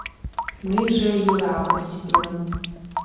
— Мыйже, йӧра, проститлем.